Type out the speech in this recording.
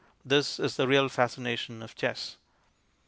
This is the real fascination of chess.